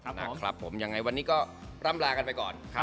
วันนี้รำลากันไปก่อน